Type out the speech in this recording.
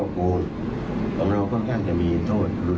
และก็ไม่ได้ยัดเยียดให้ทางครูส้มเซ็นสัญญา